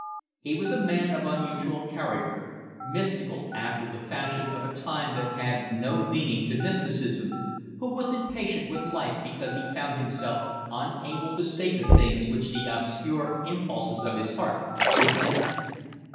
He was a man of unusual character, mystical after the fashion of a time that had no leaning to mysticism, who was impatient with life because he found himself unable to say the things which the obscure impulses of his heart suggested.